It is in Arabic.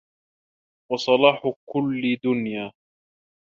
وَصَلَاحُ كُلِّ دُنْيَا